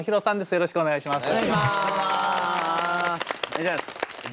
よろしくお願いします。